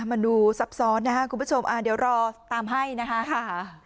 มาดูซับซ้อนนะครับคุณผู้ชมเดี๋ยวรอตามให้นะคะ